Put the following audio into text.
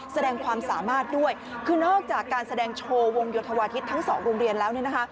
แสดงความสามารถด้วยคือนอกจากการแสดงโชว์วงโยธวาทิศทั้งสองโรงเรียนแล้วเนี่ยนะคะ